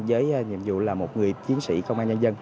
với nhiệm vụ là một người chiến sĩ công an nhân dân